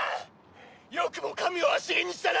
よくも神を足蹴にしたな！